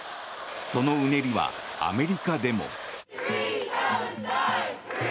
そのうねりはアメリカでも。